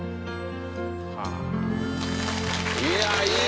いやいい！